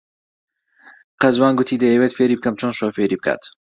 قەزوان گوتی دەیەوێت فێری بکەم چۆن شۆفێری بکات.